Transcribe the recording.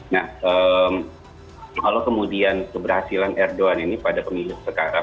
nah kalau kemudian keberhasilan erdogan ini pada pemilu sekarang